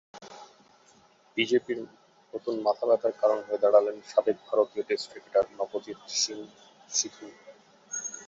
বিজেপির নতুন মাথাব্যথার কারণ হয়ে দাঁড়ালেন সাবেক ভারতীয় টেস্ট ক্রিকেটার নভজ্যোৎ সিং সিধু।